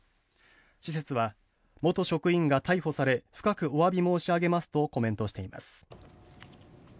施設は元職員が逮捕され深くおわび申し上げますとコメントしています。